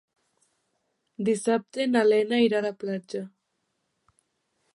Dissabte na Lena irà a la platja.